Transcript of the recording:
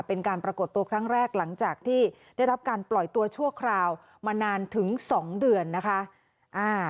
เป็นการปรากฏตัวครั้งแรกหลังจากที่ได้รับการปล่อยตัวชั่วคราวมานานถึง๒เดือนนะคะ